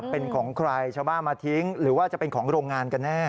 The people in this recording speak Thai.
เป็นของใครชาวบ้านมาทิ้งหรือว่าจะเป็นของโรงงานกันแน่